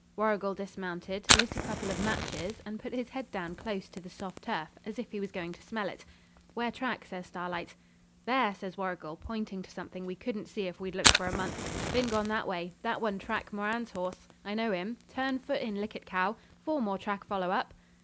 Warrigal dismounted, lit a couple of matches, and put his head down close to the soft turf, as if he was going to smell it. 'Where track?' says Starlight. 'There!' says Warrigal, pointing to something we couldn't see if we'd looked for a month. 'Bin gone that way. That one track Moran's horse. I know him; turn foot in likit cow. Four more track follow up.'